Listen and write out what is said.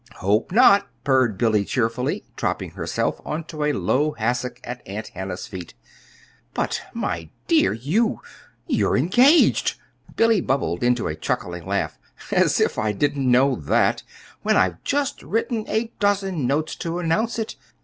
"Hope not," purred Billy cheerfully, dropping herself on to a low hassock at Aunt Hannah's feet. "But, my dear, you you're engaged!" Billy bubbled into a chuckling laugh. "As if I didn't know that, when I've just written a dozen notes to announce it!